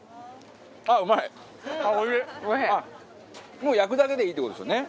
もう焼くだけでいいって事ですよね。